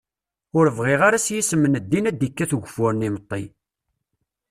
Ur bɣiɣ ara s yisem n ddin ad d-ikkat ugeffur n yimeṭṭi.